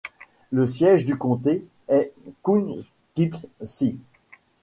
Le siège du comté est Poughkeepsie.